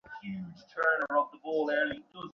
মিশনের জন্য প্রশিক্ষণ নেয়ার সময় হয়েছে।